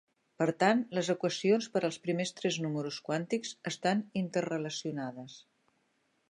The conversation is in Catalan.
Per tant, les equacions per als primers tres números quàntics estan interrelacionades.